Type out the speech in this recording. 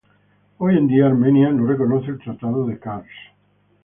Hoy en día, Armenia no reconoce el tratado de Kars.